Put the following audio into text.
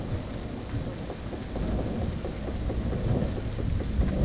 あこうすればいいんですね。